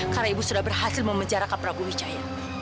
karena ibu sudah berhasil memenjarakan prabu wijaya